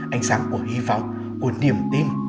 ánh sáng của hy vọng của niềm tin